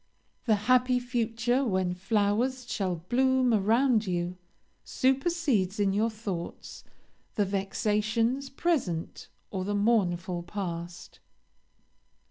The happy future, when flowers shall bloom around you, supersedes in your thoughts the vexatious present or the mournful past.